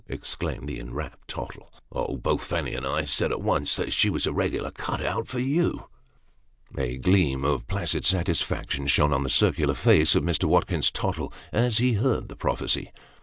" exclaimed the enraptured Tottle. " Oh ! both Fanny and I said, at once, that she was regularly cut out for you." A gleam of placid satisfaction shone on the circular face of Mr. Watkins Tottle, as he heard the prophecy.